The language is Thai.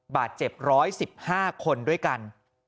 บาดเจ็บ๑๑๕คนด้วยกัน